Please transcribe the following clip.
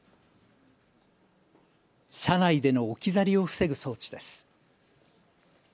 車内での置き去りを防ぐ装置です。